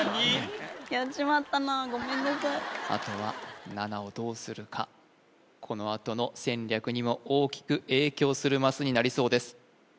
あとは７をどうするかこのあとの戦略にも大きく影響するマスになりそうです